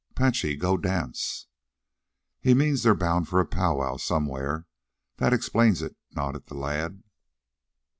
"'Pache, go dance." "He means they're bound for a pow wow somewhere. That explains it," nodded the lad.